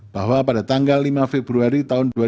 bahwa pada tanggal lima februari dua ribu dua puluh